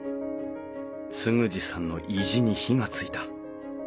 嗣二さんの意地に火がついた。